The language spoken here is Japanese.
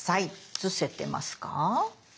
写せてますか？